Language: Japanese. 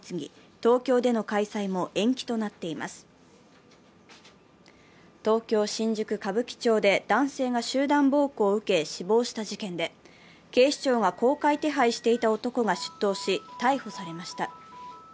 東京・新宿歌舞伎町で男性が集団暴行を受け死亡した事件で警視庁が公開手配していた男が出頭し、逮捕されました。